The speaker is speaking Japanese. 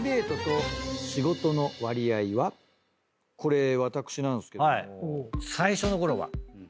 これ私なんですけども。